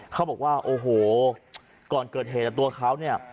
เขาบอกว่าโอ้โหก่อนเกิดเหตุตัวเขาเนี่ย